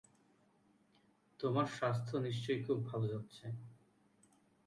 তোমার স্বাস্থ্য নিশ্চয়ই খুব ভাল যাচ্ছে।